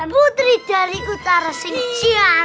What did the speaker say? putri dari utara singkia